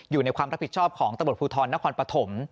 อยู่ในความรับผิดชอบของตำรวจภูทรนครปฐม